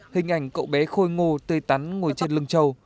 hình ảnh cậu bé khôi ngô tươi tắn ngồi trên lưng châu